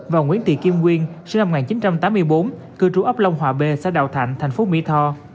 và nguyễn tị kim quyên cư trú ấp long hòa b xã đào thạnh tp mỹ tho